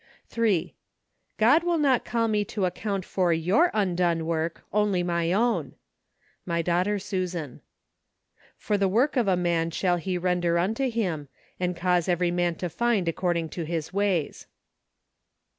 27 28 MARCH. 3. " God will not call me to account for your undone work, only my own." My Daughter Susan. " For the work of a man shall he render unto him, and cause every man to find according to his ways."